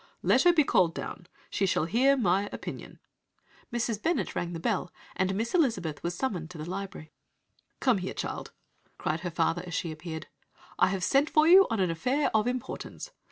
"'Let her be called down. She shall hear my opinion.' "Mrs. Bennet rang the bell, and Miss Elizabeth was summoned to the library. "'Come here, child,' cried her father as she appeared. 'I have sent for you on an affair of importance.